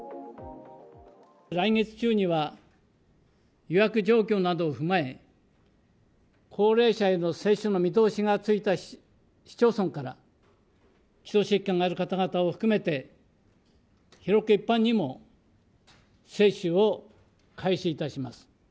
来月中には予約状況などを踏まえ、高齢者への接種の見通しがついた市町村から、基礎疾患がある方々を含めて、広く一般にも接種を開始いたします。